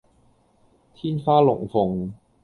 天花龍鳳